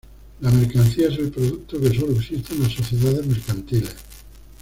La mercancía es el producto que solo existe en las sociedades mercantiles.